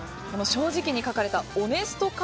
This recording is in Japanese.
この正直に書かれたオネスト